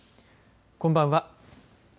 こんばんは。